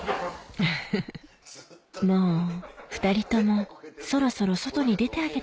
フフフもう２人ともそろそろ外に出てあげてくださいよ